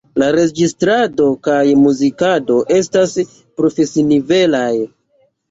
La registrado kaj muzikado estas profesinivelaj.